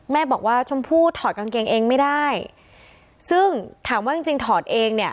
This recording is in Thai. แม่บอกว่าชมพู่ถอดกางเกงเองไม่ได้ซึ่งถามว่าจริงจริงถอดเองเนี่ย